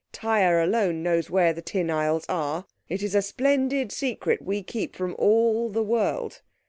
Tyre alone knows where the Tin Isles are. It is a splendid secret we keep from all the world.